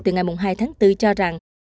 từ ngày hai tháng bốn cho rằng